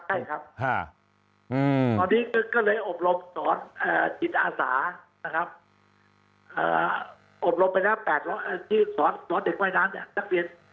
ตอนนี้ก็เลยอบรมศาสนกิจอาศาที่สอนเด็กวายน้ำตะเทียด